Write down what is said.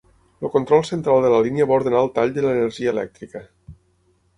El Control Central de la línia va ordenar el tall de l'energia elèctrica.